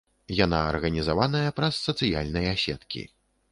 Яна арганізаваная праз сацыяльныя сеткі.